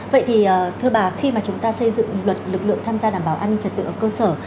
vậy thì thưa bà khi mà chúng ta xây dựng luật lực lượng tham gia đảm bảo an ninh trật tự ở cơ sở